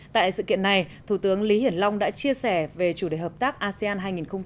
tại sự kiện này thủ tướng lý hiển long đã chia sẻ về chủ đề hợp tác asean hai nghìn hai mươi